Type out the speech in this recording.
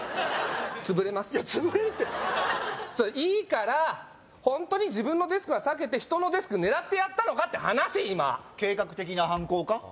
潰れますいや潰れるっていいからホントに自分のデスクは避けて人のデスク狙ってやったのかって話今計画的な犯行か？